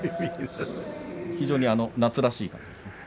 非常に夏らしいですね。